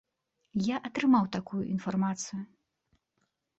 Я атрымаў такую інфармацыю.